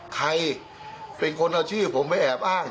ใครเป็นคนเอาชื่อผมไปแอบอ้าง